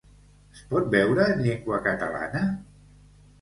Es pot veure en llengua catalana?